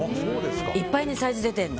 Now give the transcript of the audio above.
いっぱいサイズが出てるの。